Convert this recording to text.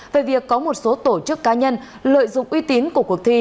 về việc có một số tổ chức cá nhân lợi dụng uy tín của cuộc thi